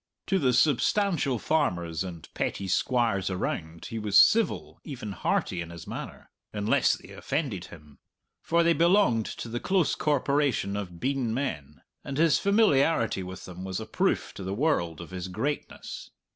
To the substantial farmers and petty squires around he was civil, even hearty, in his manner unless they offended him. For they belonged to the close corporation of "bien men," and his familiarity with them was a proof to the world of his greatness.